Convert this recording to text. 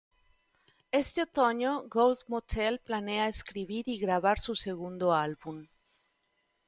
Este otoño, Gold Motel planea escribir y grabar su segundo álbum.